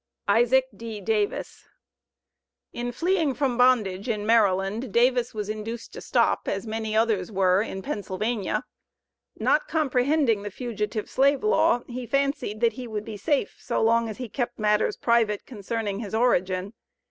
ISAAC D. DAVIS. In fleeing from bondage, in Maryland, Davis was induced to stop, as many others were, in Pennsylvania. Not comprehending the Fugitive Slave Law he fancied that he would be safe so long as he kept matters private concerning his origin.